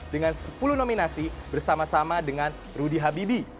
dengan sepuluh nominasi bersama sama dengan rudy habibi